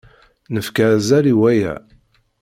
Nefka azal i waya.